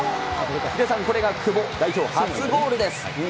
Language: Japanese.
ヒデさん、これが久保、代表初ゴールです。